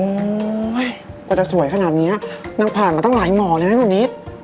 ว่าจะสวยขนาดนี้นางผ่านมาตั้งหลายหมอเลยนะหนูนิด